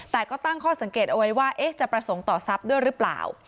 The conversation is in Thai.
แต่ก็ตั้งข้อสังเกตเอาไว้ว่าจะประสงค์ต่อทรัพย์ด้วยหรือเปล่า